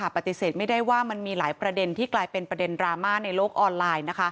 ปฏิเสธไม่ได้ว่ามันมีหลายประเด็นที่กลายเป็นประเด็นดราม่าในโลกออนไลน์